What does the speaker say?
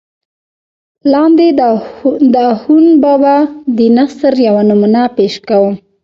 لاندې دَاخون بابا دَنثر يوه نمونه پېش کوم